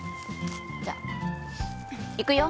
じゃあいくよ。